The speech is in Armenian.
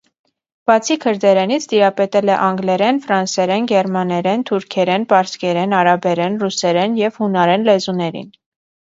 Բացի քրդերենից տիրապետել է անգլերեն, ֆրանսերեն, գերմաներեն, թուրքերեն, պարսկերեն, արաբերեն, ռուսերեն և հունարեն լեզուներին։